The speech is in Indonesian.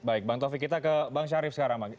baik bang taufik kita ke bang syarif sekarang